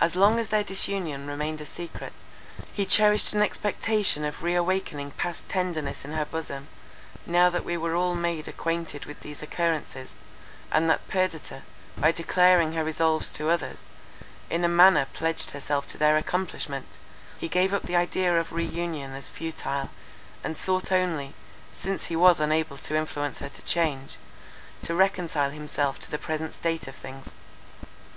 As long as their disunion remained a secret, he cherished an expectation of re awakening past tenderness in her bosom; now that we were all made acquainted with these occurrences, and that Perdita, by declaring her resolves to others, in a manner pledged herself to their accomplishment, he gave up the idea of re union as futile, and sought only, since he was unable to influence her to change, to reconcile himself to the present state of things.